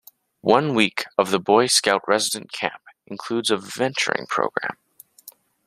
One week of the Boy Scout Resident Camp includes a Venturing program.